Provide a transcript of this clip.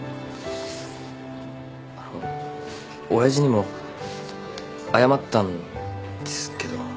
あの親父にも謝ったんですけど。